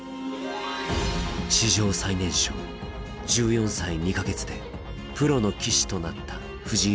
史上最年少１４歳２か月でプロの棋士となった藤井聡太。